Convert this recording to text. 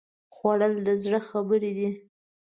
خوړل د زړه خبرې دي